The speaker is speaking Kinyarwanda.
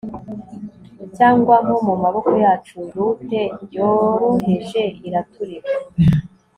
cyangwa nko mumaboko yacu lute yoroheje iraturika